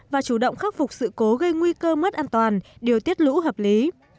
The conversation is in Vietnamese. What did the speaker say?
và chủ động khắc phục sự cố gây nguy cơ mất an toàn điều tiết lũ hợp lý